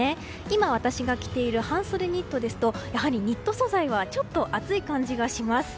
今私が着ている半袖ニットですとやはり、ニット素材はちょっと暑い感じがします。